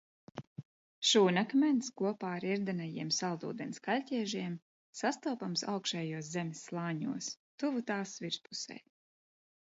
Šūnakmens kopā ar irdenajiem saldūdens kaļķiežiem sastopams augšējos zemes slāņos, tuvu tās virspusei.